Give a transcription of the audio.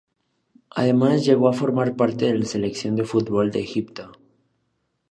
Además llegó a formar parte de la selección de fútbol de Egipto.